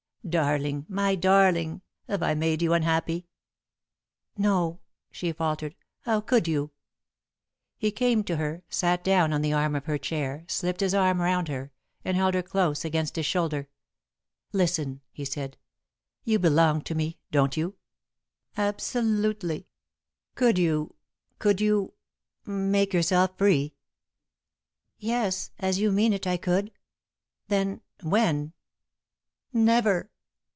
"Darling! My darling! Have I made you unhappy?" "No," she faltered. "How could you?" He came to her, sat down on the arm of her chair, slipped his arm around her, and held her close against his shoulder. "Listen," he said. "You belong to me, don't you?" "Absolutely." "Could you could you make yourself free?" "Yes, as you mean it, I could." "Then when?" "Never!"